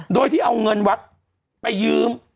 โดยที่เอาเงินวัดไปยืม